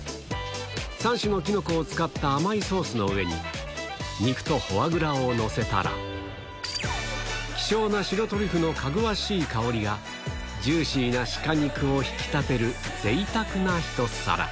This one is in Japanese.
３種のキノコを使った甘いソースの上に、肉とフォアグラを載せたら、希少な白トリュフのかぐわしい香りが、ジューシーなシカ肉を引き立てるぜいたくな一皿。